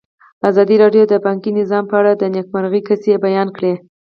ازادي راډیو د بانکي نظام په اړه د نېکمرغۍ کیسې بیان کړې.